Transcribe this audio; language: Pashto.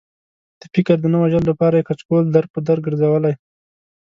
د فکر د نه وژلو لپاره یې کچکول در په در ګرځولی.